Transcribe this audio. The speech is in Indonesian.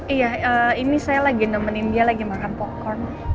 iya ini saya lagi nemenin dia lagi makan pokok